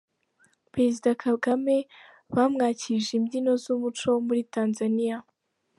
Perezida Kagame bamwakirije imbyino z’umuco wo muri Tanzania.